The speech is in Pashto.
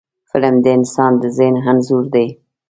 فلم د انسان د ذهن انځور دی